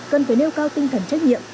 cần phải nêu cao tinh thần trách nhiệm